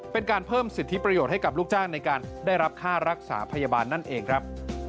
เป็นการเพิ่มสิทธิประโยชน์ให้กับลูกจ้างในการได้รับค่ารักษาพยาบาลนั่นเองครับ